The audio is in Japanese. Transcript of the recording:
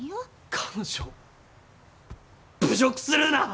彼女を侮辱するな！